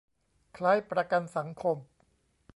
คล้ายประกันสังคม